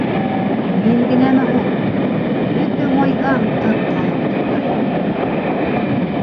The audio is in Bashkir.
Мин генәме һуң, бөтә майҙан тын ҡалып тыңлай.